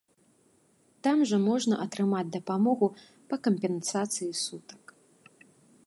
Там жа можна атрымаць дапамогу па кампенсацыі сутак.